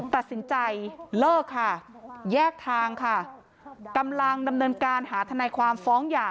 ตัดสินใจเลิกค่ะแยกทางค่ะกำลังดำเนินการหาทนายความฟ้องหย่า